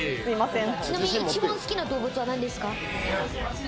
ちなみに一番好きな動物はなんですか？